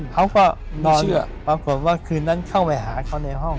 เขาก็นอนเชื่อปรากฏว่าคืนนั้นเข้าไปหาเขาในห้อง